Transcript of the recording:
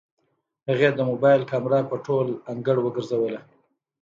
هغې د موبايل کمره په ټول انګړ وګرځوله.